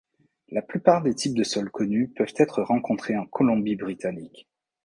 La plupart des types de sols connus peuvent être rencontrés en Colombie-Britannique.